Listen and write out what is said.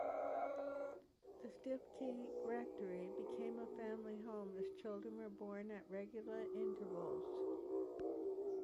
The Stiffkey rectory became a family home, as children were born at regular intervals.